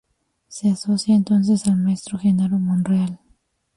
Se asocia entonces al maestro Genaro Monreal.